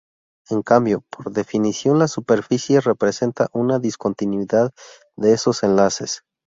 En cambio, por definición la superficie representa una discontinuidad de esos enlaces.